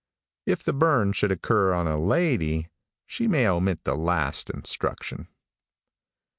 If the burn should occur on a lady, she may omit the last instruction.